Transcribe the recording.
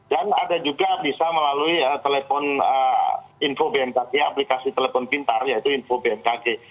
dan ada juga bisa melalui aplikasi telepon pintar yaitu info bmkg